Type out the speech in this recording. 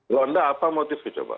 kalau anda apa motif kecobaan